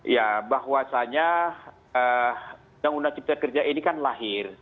ya bahwasannya undang undang cipta kerja ini kan lahir